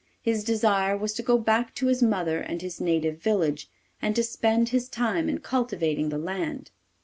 His desire was to go back to his mother and his native village, and to spend his time in cultivating the land.